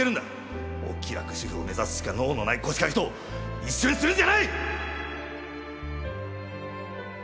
お気楽主婦を目指すしか能のない腰掛けと一緒にするんじゃない！